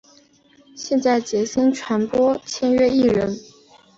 现为杰星传播签约艺人。